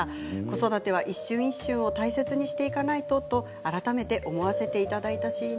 子育ては一瞬一瞬を大切にしていかないとと改めて思い出させていただいたシーン。